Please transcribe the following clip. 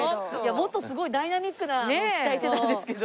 もっとすごいダイナミックなのを期待してたんですけど。